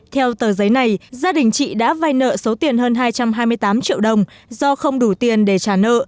theo tờ giấy này gia đình chị đã vai nợ số tiền hơn hai trăm hai mươi tám triệu đồng do không đủ tiền để trả nợ